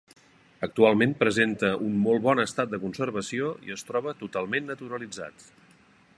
Actualment presenta un molt bon estat de conservació i es troba totalment naturalitzat.